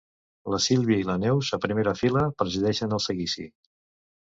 La Sílvia i la Neus, a primera fila, presideixen el seguici.